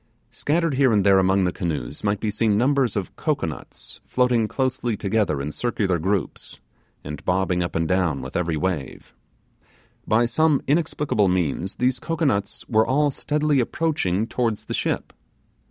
Scattered here and there among the canoes might be seen numbers of cocoanuts floating closely together in circular groups, and bobbing up and down with every wave. By some inexplicable means these cocoanuts were all steadily approaching towards the ship.